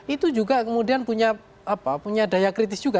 itu juga kemudian punya daya kritis juga